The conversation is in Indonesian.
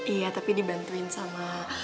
iya tapi dibantuin sama